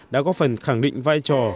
đã có phần khẳng định vai trò